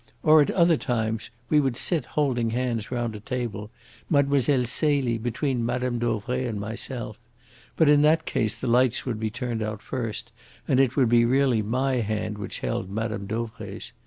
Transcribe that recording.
Or at other times we would sit holding hands round a table, Mlle. Celie between Mme. Dauvray and myself. But in that case the lights would be turned out first, and it would be really my hand which held Mme. Dauvray's.